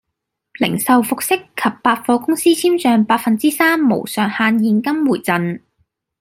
零售服飾及百貨公司簽賬百分之三無上限現金回贈